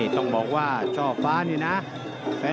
ต้องบอกว่าช่อฟ้านี่นะ